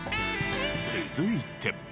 続いて。